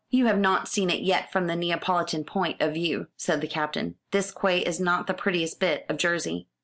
"You have not seen it yet from the Neapolitan point of view," said the Captain. "This quay is not the prettiest bit of Jersey."